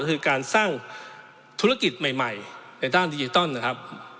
ก็คือการสร้างธุรกิจใหม่ในด้านดิจิตอลนะครับ